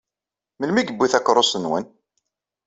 Melmi i yewwi takeṛṛust-nwen?